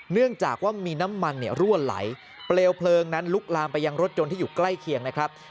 เนื่องจากว่ามีน้ำมันเนี่ยรั่วไหลเปลวเพลิงนั้นลุกลามไปยังรถยนต์ที่อยู่ใกล้เคียงนะครับ